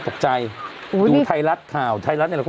กรมป้องกันแล้วก็บรรเทาสาธารณภัยนะคะ